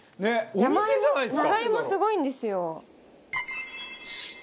長芋すごいんですよ。